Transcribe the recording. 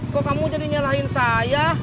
kok kamu jadi nyalahin saya